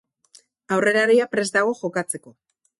Aurrelaria prest dago jokatzeko.